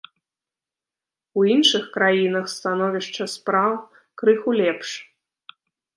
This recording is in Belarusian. У іншых краінах становішча спраў крыху лепш.